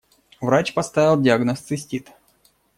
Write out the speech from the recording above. Врач поставил диагноз «цистит».